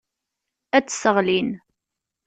Ad tt-sseɣlin.